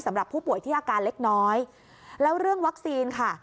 สำหรับผู้ป่วยที่อาการเล็กน้อยแล้วเรื่องวัคซีนค่ะ